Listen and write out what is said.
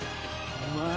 うまい！